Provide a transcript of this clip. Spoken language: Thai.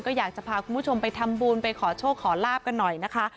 ก็อยากจะพาคุณผู้ชมไปทำบุญไปขอโชคขอลาบกันหน่อยนะคะ